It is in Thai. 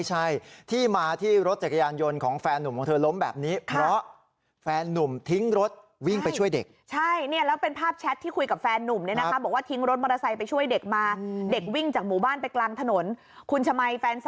ใช่แล้วเป็นภาพแชทที่คุยกับแฟนนุ่ม